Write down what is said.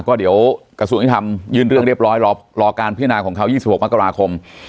ก็เดี๋ยวกระทรวงยุทธรรมยื่นเรื่องเรียบร้อยรอการพิจารณาของเขา๒๖มกราคม